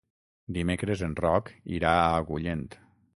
Dimecres en Roc irà a Agullent.